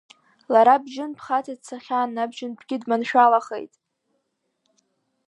Лара бжьынтә хаҵа дцахьан, абжьынтәгьы дманшәалахеит.